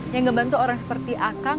yang ngebantu orang seperti akang